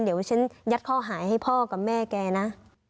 เดี๋ยวฉันยัดข้อหาให้พ่อกับแม่แกนะ